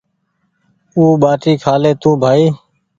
آو ٻاٽي کهالي تونٚٚ بهائي